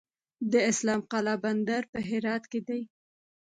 د اسلام قلعه بندر په هرات کې دی